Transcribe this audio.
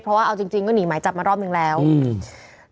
เพราะว่าเอาจริงจริงก็หนีหมายจับมารอบหนึ่งแล้วอืม